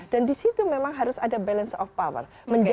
dan di situ memang harus ada balance of power